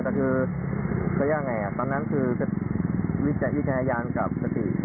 ก็คือตอนนั้นคือวิจัยยิทยายาลกับสติ